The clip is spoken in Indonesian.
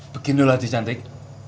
beginilah adik cantik